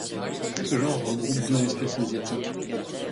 Ce genre regroupe deux espèces asiatiques.